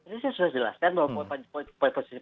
tadi saya sudah jelaskan bahwa posisi